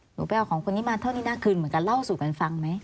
หนูไปเอาของคนนี้มาเท่านี้น่าคืนเหมือนกันเล่าสู่กันฟังไหม